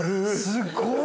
◆すごい。